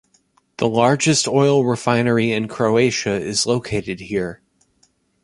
The largest oil refinery in Croatia is located here.